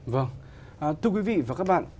vâng thưa quý vị và các bạn